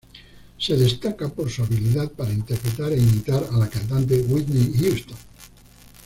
Se destaca por su habilidad para interpretar e imitar a la cantante Whitney Houston.